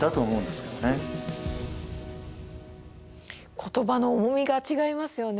言葉の重みが違いますよね。